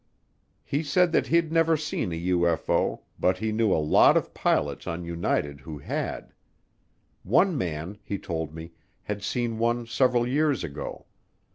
He said that he'd never seen a UFO but he knew a lot of pilots on United who had. One man, he told me, had seen one several years ago.